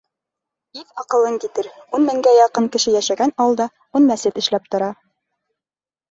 Иҫ-аҡылың китер: ун меңгә яҡын кеше йәшәгән ауылда ун мәсет эшләп тора!